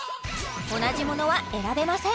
同じものは選べません